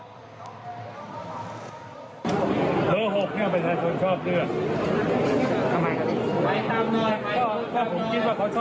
ขอบฝากไปถึงพี่น้องประชาชนด้วยนะครับ